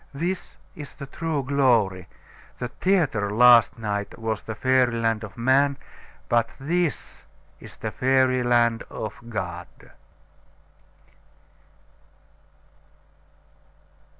This is the true glory. The theatre last night was the fairy land of man; but this is the fairy land of God."